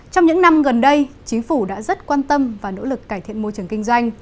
trong những năm gần đây chính phủ đã rất quan tâm và nỗ lực cải thiện môi trường kinh doanh